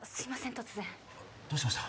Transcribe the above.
突然どうしました？